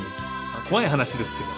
怖い話ですけど。